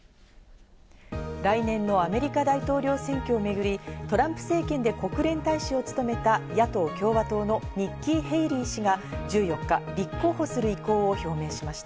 来年のアメリカ大統領選挙をめぐり、トランプ政権で国連大使を務めた野党・共和党のニッキー・ヘイリー氏が１４日、立候補する意向を表明しました。